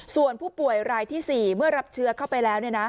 ส่วนผู้ป่วยรายที่๔เมื่อรับเชื้อเข้าไปแล้ว